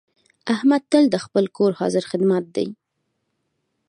احمد تل د خپل کور حاضر خدمت دی.